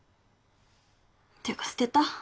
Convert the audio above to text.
っていうか捨てた。